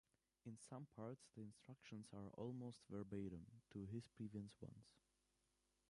In some parts the instructions are almost verbatim to his previous ones.